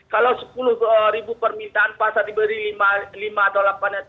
kalau sepuluh ribu permintaan pasar diberi lima dolar panen